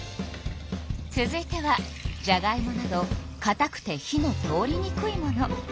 続いてはじゃがいもなどかたくて火の通りにくいもの。